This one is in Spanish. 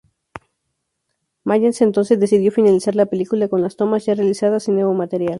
Mayans entonces decidió finalizar la película con las tomas ya realizadas y nuevo material.